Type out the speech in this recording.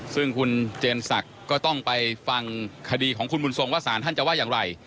ซึ่งคุณเจนศักดิ์ก็ต้องไปฟังคดีของคุณบุญทรงว่าสารท่านจะว่าอย่างไร